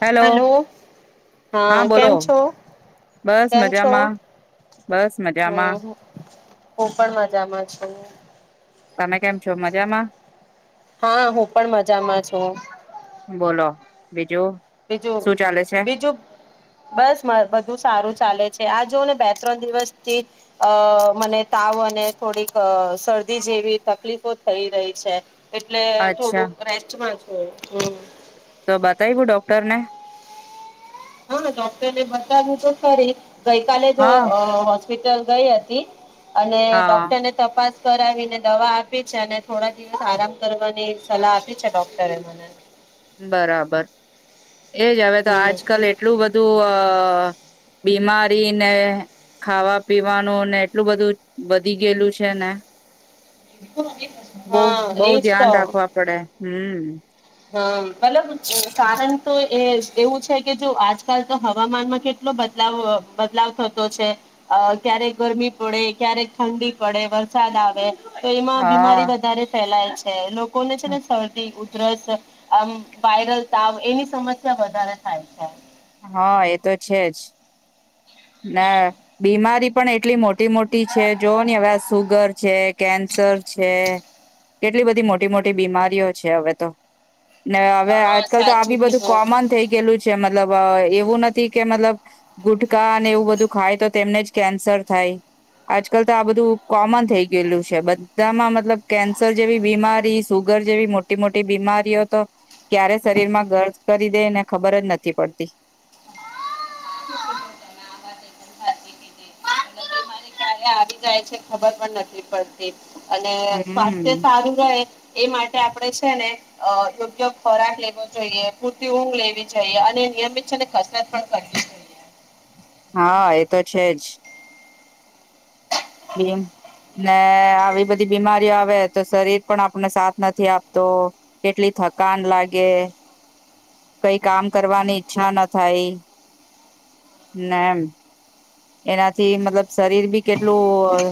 Hello હા બોલો કેમ છો બસ કેમ છો મજામાં બસ મજામાં હમ હું પણ મજામાં છું. તમે કેમ છો મજામાં હા હું પણ મજામાં છું. બી બીજું બીજું બસ મ બધું સારું ચાલે છ આ જો ને બે ત્રણ દિવસ થી અ મને તાવ અને થોડીક શરદી જેવી તકલીફો થઈ રહી છે. એટલે અચ્છા થોડુંક રેસ્ટ માંજ. હ હમ. તો બતાયવું ડોક્ટરને હા ડોક્ટરને બતાવ્યું તો ખરી ગઈકાલે જો હા અ પીટલ ગઈ હતી અને હા ડોક્ટરને તપાસ કરાવીને દવા આપી છે અને થોડા દિવસ આરામ કરવાની સલાહ આપી છે ડોક્ટરે મને. બરાબર. એજ હવે તો હમ આજકાલ એટલું બધું. અ બીમારી ને ખાવા પીવાનું ને એટલું બધું વધી ગયેલું છે ને. બહ હા એ બહુ જ ધ્યાન તો. રાખવા પડે હમ. અમ મતલબ કારણ તો એ એવું છે કે જો આજકાલ તો હવામાનમાં કેટલો બદલાવ બદલાવ થતો છે અ ક્યારેક ગરમી પડે ક્યારેક ઠંડી પડે વરસાદ આવે. તો એમાં હા બીમારી વધારે ફેલાય. છે નું. કોઈને છે ને સરદી ઉ દરસ આમ વાયરલ તાવ એની સમસ્યા વધારે થાય છે. હા એ તો છે જ હમ ના બીમારી પણ એટલી મોટી મોટી છે જોવ હી હવે આ સુગર છે કેન્સર છે કેટલી બધી મોટી મોટી બીમારીઓ છે હવે તો. ને હવે હા આજકાલ તો આ સાચું બી બધું કીધું કોમન થઈ ગયેલું છે મતલબ એ વું નથી કે મતલબ ગુટ કા અને એવું બધું ખાય તો તેમને જ કેન્સર થાય આજકાલ તો આ બધું કોમન થઈ ગયેલું છે બધામાં મતલબ કેન્સર જેવી બીમારી સુગર જેવી મોટી મોટી બીમારીઓ તો ક્યારે શરીરમાં ગર્દ કરી દે ને ખબર જ નથી પડતી. બીમારી ક્યારે આવી જાય છે ખબર પણ નથી પડતી. અને સ્વાસ્થ્ય હમ સારું રહે એ માટે આપડે છે ને અ યોગ્ય ખોરાક લેવો જોઈએ પૂરતી ઊંઘ લેવી જોઈએ અને નિયમિત છે ને કસરત પણ કરવી જોઈએ. હા એ તો છે જ બ ને આવી બધી બીમારીઓ આવે તો શરીર પણ આપને સાથ નથી આપતો કેટલી થકાન લાગે કઈ કામ કરવાની ઈચ્છા ન થાય નાને એમ એનાથી મતલબ શરીર બી કેટલું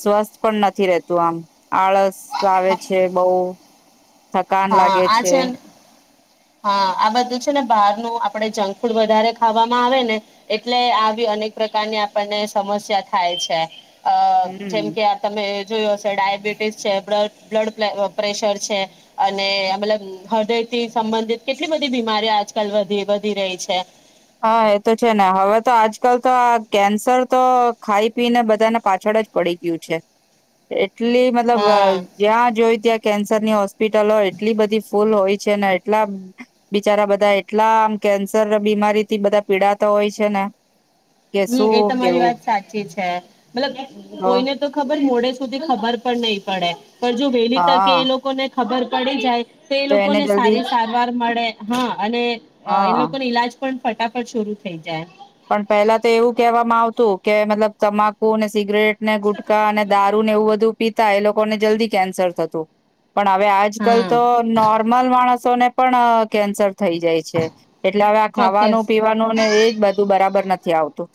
સ્વસ્થ પણ નથી રહેતું આમ આળસ આવે છે બહ થકાન હા લાગે આ છે હા આ બધું છે ને બહારનું આપણે જંક ફૂડ વધારે ખાવામાં આવે ને એટલે આવી અનેક પ્રકારની આપણને સમસ્યા થાય છે અ જેમ હમ કે આ તમે જોયો હ છે ડાયાબિટીસ છે બ્લડ પ્રેશર છે અને મતલબ હૃદયથી સંબંધિત કેટલી બધી બીમારી આજકાલી વધી રહી છે હા એ તો છે ને હવે તો આજકાલ તો આ કેન્સર તો ખાઈ પીને બધાને પાછળ જ પડી ગયું છે કેટલી મતલબ હા જ્યાં જોઈ ત્યાં કેન્સરની હોસ્પિટલો એટલી બધી ફૂલ હોય છે એટલા બિચારા બધા એટલા આમ કેન્સર બીમારી થી બધા પીડા તો હોય છે ને કે હમ એ શું તમારી કેવું વાત સાચી છે મતલબ કોઈને તો ખબર મોડે સુધી ખબર પણ નહી પડે જો વહેલી તકે હા એ લોકોને ખબર પડી જાય તો એ લોકો એને ને જલ્દી સારી સારવાર મળે હા અને એ હા લોકો ન ઈલાજ પણ ફટાફટ શરૂ થઈ જાય પણ પહેલા તો એવું કહેવામાં આવતું કે મતલબ તમાકુ ને સિગરેટ ને ગુટકાા અને દારૂ ને એવું બધું પીતા એ લોકોને જલ્દી કેન્સર થતું પણ હવે આજ કલ હા તો નોર્મલ માણસ ને પણ કેન્સર થઈ જાય છે એટલે હવે આ ખાવાનું ચોક્કસ પીવાનું ને એજ બધ બબર નથી આવતું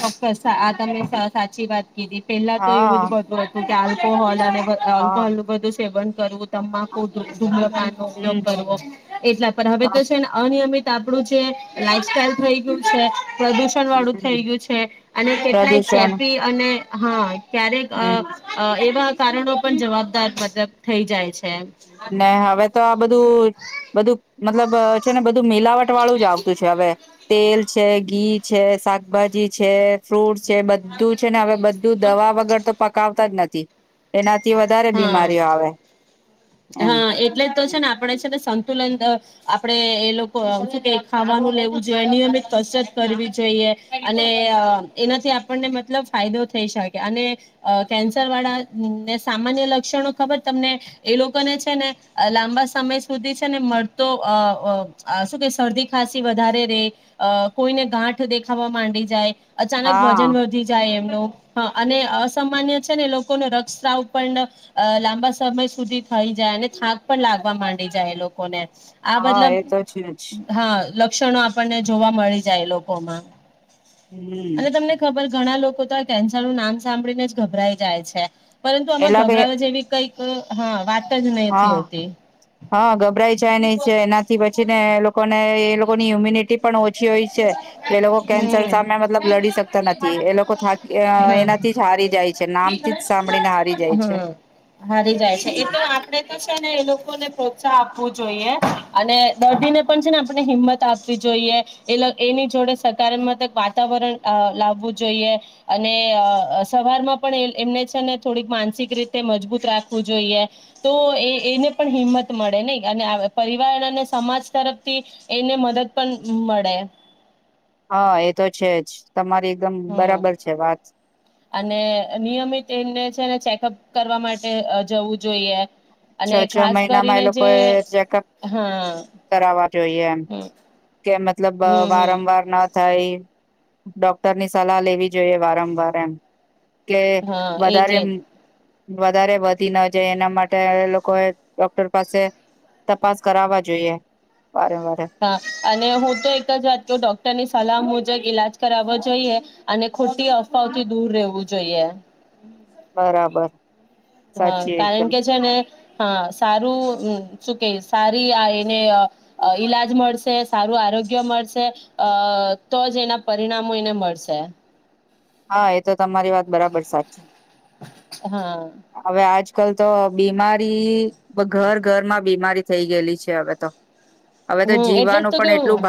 ચોક્કસ આ તમે સાચી વાત ીધી પેલા તો એવું હા જ બધું હતું આલ્કોહોલાને હા હગું હલું બધું સેવન કરવત તમાકુ ધુમકા નો ઉપયોગ હમ કરવો એટલા પણ હવે તો છે ને અનિયમિત આપણું જે લાઈફ સાઈલ થઈ ગયું છે પ્રદુષણ વાળું થઇ હમ ગયું છે. અને કેટલાય પ્રદૂષણ ચેપી અને હા. ક્યારેક આ હમ આ એવા કારણો પણ જવાબદાર મતલબ થઈ જાય છે. ના હવે તો આ બધું તું બધું મતલબ છે ને બધ ધુ મિલાવટ વાળું જ આવતું છે હવે. તેલ છે ઘી છે શાકભાજી છે ફ્રૂટ છે બધું છે ને હવે બધું દવા વગર તો પકાવતા જ નથી. થી એના થી વધારે હા બીમારીઓ આવે. એમ હા એટલે જ તો છે ને આપણે છે ને સંતુલન આપણે એ લોકો ખાવાનું લેવું જોઈએ નિયમિત કસરત કરવી જોઈએ અને એનાથી આપણને મતલબ ફાયદો થઈ શકે અને કેન્સર વાળા ને સામાન્ય લક્ષણો ખબર તમને એ લોકોને છે ને લાંબા સમય સુધી છે ને મળતો અ શું કે શરદી ખાંસી વધારે રે કોઈને ગાંઠ દેખાવા માંડી જાય અચાનક હા વજન વધી જાય એમનો હા અને અસામાન્ય છે ને લોકો ન [unintelligible] પણ લાંબા સમય સુધી થઈ જાય અને થાક પણ લાગવા માંડી જાય એ લોકોને. આ હા મતલબ એ તો છે જ હા લા શિક્ષણો આપણને જોવા મળી જાય લોકોમાં. હમ અને તમને ખબર ઘણા લોકો તો આ કેન્સર નું નામ સાંભળીને જ ગભરાઈ જાય છે. પરંતુ આમાં એલા કે ગભરાવા જેવી કંઈક હમ્મ. હા વાત હા હા ગભરાઈ જાય નહિ છે એનાથી પછી ને લોકોને લોકો ની યમ્યુનિ પણ ઓ છી હોય છે એ લોકો કેન્સર હમ. સામે મતલબ લડી શકતા નથી એ લોકો થાકી હમ. એનાથી જ હારી જાય છે નામથી જ સાંભળીને હારી જાય છે. આપણે તો છે ને એ લોકોને પ્રોત્સાહ આપવું જોઈએ અને દર્દીને પણ છે ને આપણે હિંમત આપવી જોઈએ. એલા એની જોડે સકારાત્મકક વાતાવરણ આ લાવવું જોઈએ અને આ સવારમાં પણ એમને છે ને થોડીક માનસિક રીતે મજબૂત રાખવું જોઈએ તો એ એને પણ હિંમત મળે નહી અને પરિવારણ અને સમાજ તરફથી એને મદદ પણ મળ [unintelligible] હા એ તો છે જ. તમારી એકદમ હમ્મ બરાબર છે વાત અને નિયમિત એમને છે ને ચેકઅપ કરવા માટે જવું જોઈએ, છ અને છ ખાસ મહિનામાં એ કરીને લોકો જે એ ચેકઅપ હા કરાવવા જોઈએ, એમ હમ કે મતલબ હમ હમ વારંવાર ન થાય ડોક્ટરની સલાહ લેવી જોઈએ વારંવાર એમ કે હા એજ વધારે એજ એમ વધારે વધી ન જાય એના માટે લોકો એ ડોક્ટર પાસે તપાસ કરાવવા જોઈએ વારે વારે હા અને હું તો એક જ વાત ડોક્ટર ની સલામ ઈલાજ કરાવો જોઈએ અને ખોટી અફવાઓથી દૂર રહેવું જોઈએ બરાબર હા સાચી કારણ એકદમ કે છે ને હા સારું શું કે સારી આ એને ઈલાજ મળશે સારું આરોગ્ય મળશે અ તો જ એના પરિણામો એને મળશે હા એ તો તમારી વાત બરાબર સાચી હા હવે આજકાલ તો બીમારી ઘર ઘરમાં બીમારી થઈ ગયેલી છે, હવે તો હવે તો હમ એટલે જ જીવવાનું તો પણ એટલું કેવું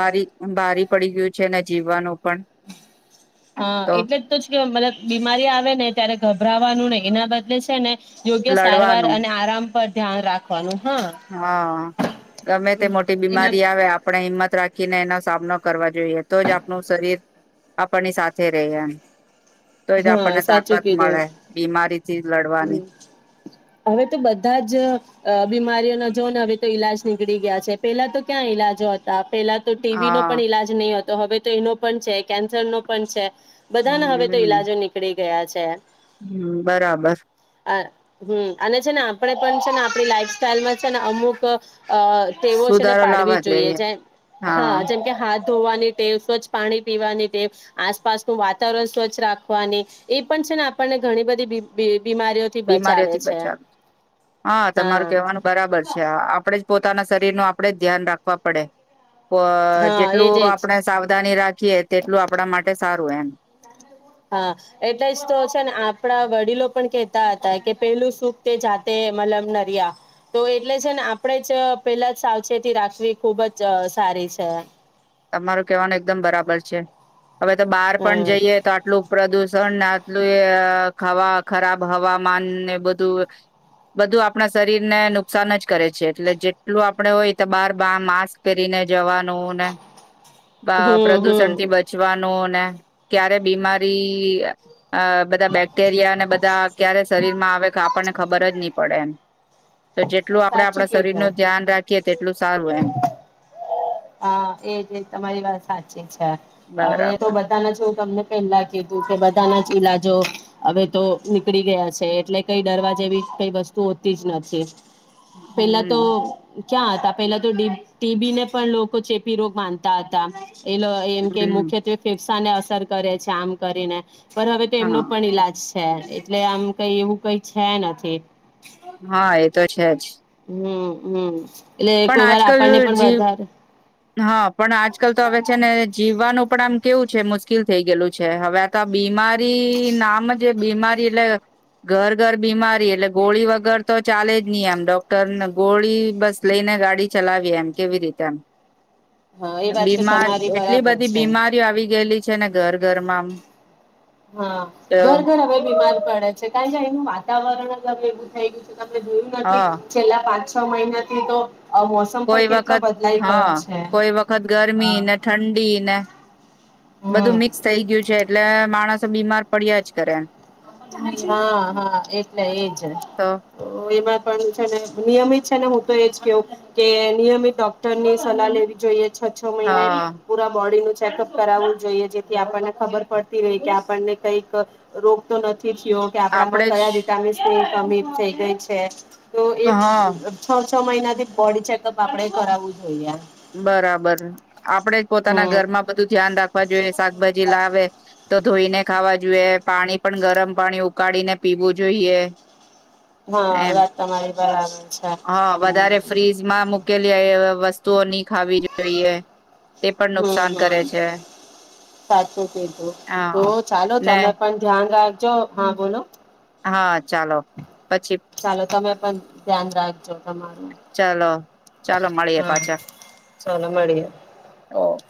બારી પડી ગયું છે ને જીવવાનું પણ હા તો એટલે કે મતલબ બીમારી આવે ને ત્યારે ગભરાવાનું ને એના બદલે છે ને યોગ્ય સારવાર લડવાનું અને આરામ પર ધ્યાન રાખવાનું હા હા ગમે તે મોટી એના બીમારી આવે આપણે હિંમત રાખી બાકીને એનો સામનો કરવા જોઈએ તો જ આપણું શરીર આપણની સાથે ર એમ તો એ તો આપણને તાકાત મળે, બીમારી હમ્મ હવે તો બધા જ બીમારીઓના જોન હવે તો ઈલાજ નીકળી ગયા છે, પેલા તો ક્યાં ઈલાજો હતા પહેલા તો ટીબી હા પણ ઈલાજ નહીં હતો તો હવે તો એનો પણ છે કેન્સર નો પણ છે, બધા ના હવે તો ઈલાજો નીકળે ગ ગયા છે, હમ્મ બરાબર હમ્મ અને છે ને આપણે પણ છે ને આપણી લાઈફ સાઈલમાં છે ને અમુક અ તેઓો છે ને સુધારો પાડવી લાવવા જોઈએ જેમ હા જેમકે હાથ ધોવાની ટેમ સ્વચ્છ પાણી પીવાની ટેમ આસપાસનું વાતાવરણ સ્વચ્છ રાખવાની એ પણ છે, ને આપણને ઘણી બધી બે બીમારીઓથી બચાવી હા તમારું કેવાનું બરાબર છે, હ આપડે જ પોતાના શરીર ન આપણે ધ્યાન રાખવા પડે હા એજ જેટલું એજ આપણે સાવધાની રાખીએ તેટલું આપણા માટે સારું એ હા એટલે જ તો છે ને આપણા વડીલો પણ કેહેતા હતા કે પેલું સુખ તે જાતે મલમ નરિયા તો એટલે છે ને આપણેે જ પેહેલા જ સાવચેતી રાખવી ખુબ જ સારી છે તમાર કેવાનું એકદમ બરાબર છે હવે તો બહાર પણ હમ જઈએ તો આટલું પ્રદુષણ ને આટલું ખવા ખરાબ હવામાનને બધું બધું આપણા શરીર ને નુકસાન જ કરે છે એટલે જેટલું આપડે હોય તો બાર બાર માસ્ક પહેરીને જવાનું હમ પ્રદુષણ હમ થી બચવાનો ને ક્યારે બીમારી અ બધા બેક્ટેરિયા અને બધા ક્યારે શરીર માં આવે કે આપણને ખબર જ નહી પડે એમ તો જેટલું આપડે સાચું આપણા શરીર નું કીધું ધ્યાન રાખીએ તેટલું સારું એમ હા એજ તમારી વાત સાચી છે હવે બરાબર તો બધાના જું તમને પેલા કીધું કે બધાના ઈલાજો હવે તો નીકળી ગયા છે એટલે કઈ દરવાજ એવી કઈ વસ્તુ હોતી જ નથી પેલા તો હમ ક્યાં હતા પેલા તો ટીબી ને પણ લોકો ચેપી રોગ માનતા હતા એલો એમ કે હમ મુખ્યત્વે ફેફસા ને અસર કરે છે આમ કરીને પર હવે તો એમનો હા પણ ઈલાજ છે એટલે આમ કઈ એવું કઈ છે નથી હા એ તો છે જ હમ હમ એટલે પણ કોઈ વાર આજકાલ આપણને પણ જી વધારે હા પણ આજકાલ તો હવે છે ને જીવ જીવાનું પણ આમ કેવું છે મુશ્કેલ થઈ ગયેલું છે હવે આ તો બીમારી નામ જ બીમારી એટલે ઘર ઘર બીમારી એટલે ગોળી વગર તો ચાલે જ નહી એમ ડોક્ટરને ગોળી બસ લઈને ગાડી ચલાવીએ એમ કેવી રીતે એમ હા એ વાત તો બીમાર તમારી એટલી બરાબર બધી છે બીમારીઓ આવી ગયેલી છે ને ઘર ઘરમાં હા તો ઘર ઘર હવે બીમાર પડે છે કારણ કે અહીનું વાતાવરણ અલગ [unintelligible] આપને જોયું નથી હા છેલ્લા પાંચ છ મહિનાથી તો મોસમ પણ કોઈ કેટલો વખત બદલાઈ ગયો હા છે કોઈ વખત હ ગરમી ને ઠંડી ને બધું હમ મિક્સ થઈ ગયું છે એટલે માણસો બીમાર પડિયા જ કરે. હા હા એટલે એજ તો એમાં પણ છેને નિયમિત છે ને હું તો એજ કેવું કે નિયમિત ડોક્ટર ની સલાહ લેવી જોઈએ. છ છ મહિને હા પુરા બોડી નું કરું જોઈએ જેથી આપણને ખબર પડતી ર કે આપને કઈક રોગ [inaudible] કે આપણામાં આપડે જ કયા વિટામિન ની અમીર થઇ ગઈ છે. તો એ હા છ મહિનાથી બોડી ચેકઅપ આપડે કરાવવું જોઈએ. બરાબર આપડે જ પોતાના હમ ઘરમાં બધું ધ્યાન રાખવા જોઈએ શાકભાજી લાવે. તો ધોઈને ખાવા જોઈએ પાણી પણ ગરમ પાણી ઉકાળીને પીવું જોઈએ. હા એમ વાત તમારી બરાબર છે હ વધારે ફ્રીજમાં મુૂકેલી એ વસ તો નની ખાવી જોઈએ. તે પણ હમ્મ નુકસાન હમ્મ કરે છે સાચું કધું તો હા ચાલો ને તમે પણ ધ્યાન રાખ જો હા બોલો. હા ચાલો. પછી ચાલો તમે પણ ધ્યાન રાખજો. તમાર ચાલો ચાલો મળીએે પાછા. ચલો મળડી. ઓ